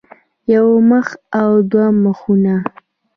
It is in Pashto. يو مخ او دوه مخونه